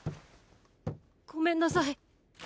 ごめんなさい。